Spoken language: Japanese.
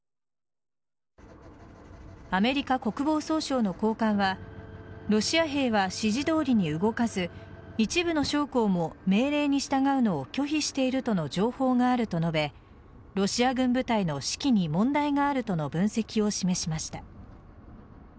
アメリカ国防総省の高官はロシア兵は指示どおりに動かず一部の将校も命令に従うのを拒否しているとの情報があると述べロシア軍部隊の士気に問題があるとの分析を示しました。